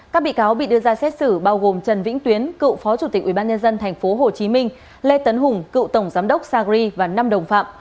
các bị cáo bị đưa ra xét xử bao gồm trần vĩnh tuyến cựu phó chủ tịch ubnd tp hcm lê tấn hùng cựu tổng giám đốc sagri và năm đồng phạm